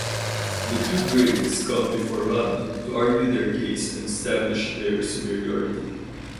The two grains come before Rama to argue their case and establish their superiority.